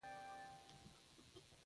د احمد زوی له پلار سره بې مخه شو.